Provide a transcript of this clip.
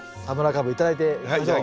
かぶ頂いていきましょう。